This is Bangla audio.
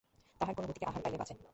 তাহারা কোনো গতিকে আহার পাইলে বাঁচে।